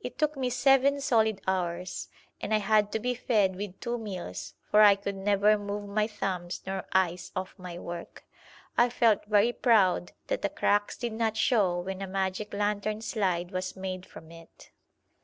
It took me seven solid hours, and I had to be fed with two meals, for I could never move my thumbs nor eyes off my work. I felt very proud that the cracks did not show when a magic lantern slide was made from it.